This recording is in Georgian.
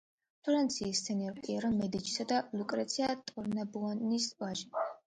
ფლორენციის სენიორ პიერო მედიჩისა და ლუკრეცია ტორნაბუონის ვაჟი.